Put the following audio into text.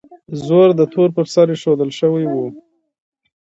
زور د تورو پر سر ایښودل شوی و.